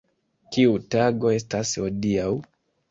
Kiu tago estas hodiaŭ?